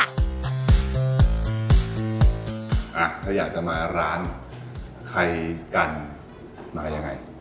อ่ะถ้าอยากจะมาร้านใครกันมายังไง